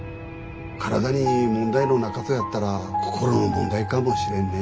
体に問題のなかとやったら心の問題かもしれんね。